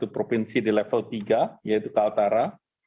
satu provinsi di level tiga yaitu kaltara